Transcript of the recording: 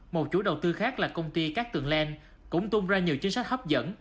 một chủ đầu tư khác là công ty cát tường lan cũng tung ra nhiều chính sách hấp dẫn